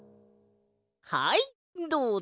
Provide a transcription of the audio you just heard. はいどうぞ！